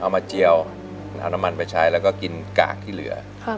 มาเจียวเอาน้ำมันไปใช้แล้วก็กินกากที่เหลือ